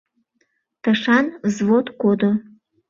Тышан взвод кодо.